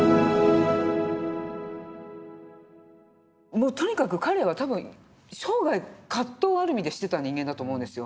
もうとにかく彼は多分生涯葛藤をある意味でしてた人間だと思うんですよ。